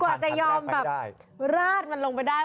กว่าจะยอมแบบราดมันลงไปได้